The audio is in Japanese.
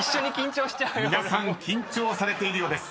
［皆さん緊張されているようです